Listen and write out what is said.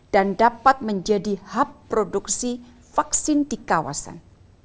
dan dapat menjadi hub produksi vaksin di kawasan